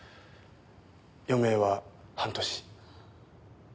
余命は半年。